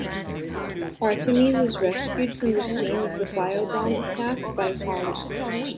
Artemis is rescued from the scene of the bio-bomb attack by Holly.